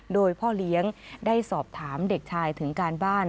โดยพ่อเลี้ยงได้สอบถามเด็กชายถึงการบ้าน